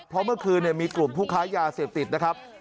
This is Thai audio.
เพราะเมื่อคืนมีกลุ่มผู้ค้ายาเสพติดนะครับ